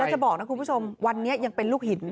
จะบอกนะคุณผู้ชมวันนี้ยังเป็นลูกหิน